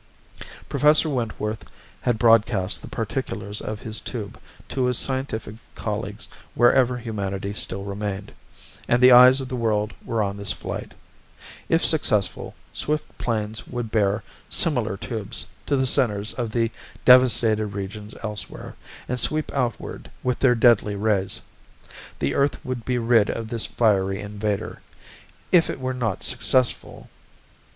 Professor Wentworth had broadcast the particulars of his tube to his scientific colleagues wherever humanity still remained, and the eyes of the world were on this flight. If successful, swift planes would bear similar tubes to the centers of the devastated regions elsewhere, and sweep outward with their deadly rays. The earth would be rid of this fiery invader. If it were not successful....